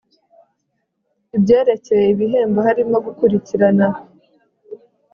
ibyerekeye ibihembo harimo gukurikirana